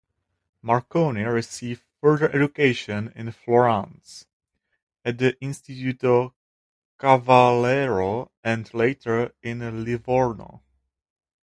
Marconi received further education in Florence at the Istituto Cavallero and, later, in Livorno.